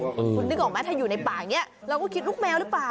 คุณนึกออกไหมถ้าอยู่ในป่าอย่างนี้เราก็คิดลูกแมวหรือเปล่า